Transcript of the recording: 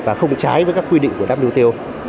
và không trái với các quy định của wto